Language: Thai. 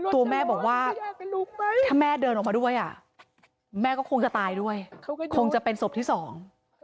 ตัวแม่บอกว่าถ้าแม่เดินออกมาด้วยอ่ะแม่ก็คงจะตายด้วยคงจะเป็นศพที่สอง